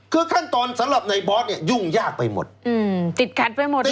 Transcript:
คือขั้นตอนสำหรับในบอสเนี่ยยุ่งยากไปหมดติดขัดไปหมด